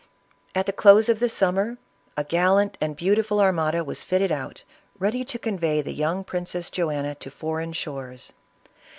At the close of the summer, a gallant and beautiful armada was fitted out, ready to convey the young Princess Joanna to foreign shores.